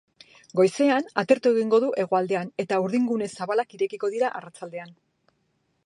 Goizean atertu egingo du hegoaldean eta urdingune zabalak irekiko dira arratsaldean.